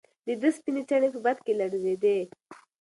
د ده سپینې څڼې په باد کې لړزېدې.